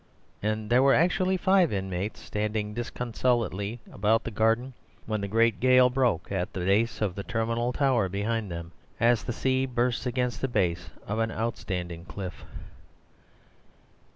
And there were actually five inmates standing disconsolately about the garden when the great gale broke at the base of the terminal tower behind them, as the sea bursts against the base of an outstanding cliff.